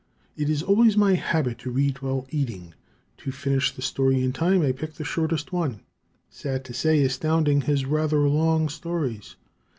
It is always my habit to read while eating. To finish the story in time, I pick the shortest one. Sad to say, Astounding has rather long stories.